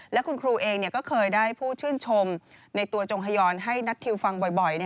และคุณครูเองก็เคยได้ผู้ชื่นชมในตัวจงฮยอนให้นัททิวฟังบ่อย